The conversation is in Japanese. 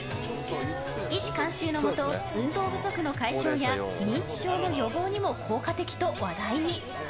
医師監修のもと運動不足の解消や認知症の予防にも効果的と話題に。